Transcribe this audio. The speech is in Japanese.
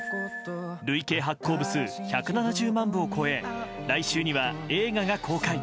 累計発行部数１７０万部を超え来週には映画が公開。